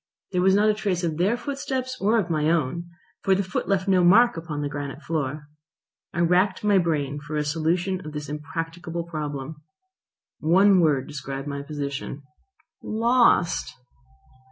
There was not a trace of their footsteps or of my own, for the foot left no mark upon the granite floor. I racked my brain for a solution of this impracticable problem. One word described my position. Lost!